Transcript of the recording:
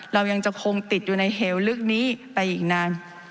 เรายังจะคงติดอยู่ในเหวลึกนี้ไปอีกนาน